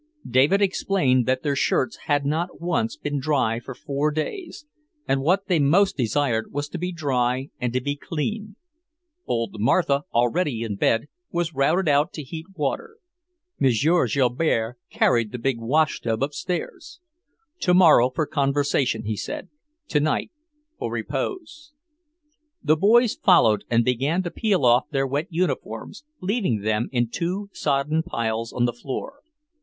David explained that their shirts had not once been dry for four days; and what they most desired was to be dry and to be clean. Old Martha, already in bed, was routed out to heat water. M. Joubert carried the big washtub upstairs. Tomorrow for conversation, he said; tonight for repose. The boys followed him and began to peel off their wet uniforms, leaving them in two sodden piles on the floor.